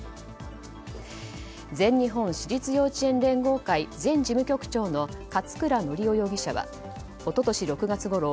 全日本私立幼稚園連合会前事務局長の勝倉教雄容疑者は一昨年６月ごろ